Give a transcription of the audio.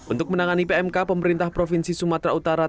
untuk menangani pmk pemerintah provinsi sumatera utara